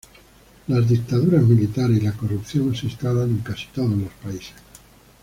Las dictaduras militares y la corrupción se instalan en casi todos los países.